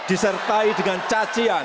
disertai dengan cacian